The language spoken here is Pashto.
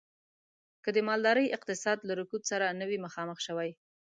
که د مالدارۍ اقتصاد له رکود سره نه وی مخامخ شوی.